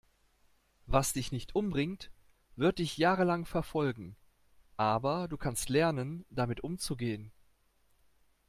Was dich nicht umbringt, wird dich jahrelang verfolgen, aber du kannst lernen, damit umzugehen.